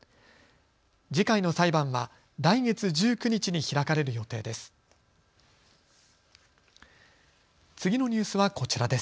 次回の裁判は来月１９日に開かれる予定です。